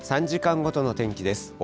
３時間ごとの天気です。